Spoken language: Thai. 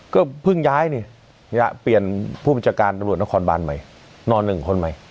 ก็เพิ่งย้ายนี่เปลี่ยนผู้บัญชาการตำรวจนครบานใหม่นอนหนึ่งคนใหม่